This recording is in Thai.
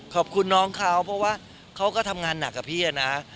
ขอบคุณน้องเขาเพราะว่าเขาก็ทำงานหนักกับพี่นะ